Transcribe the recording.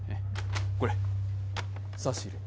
これ差し入れ。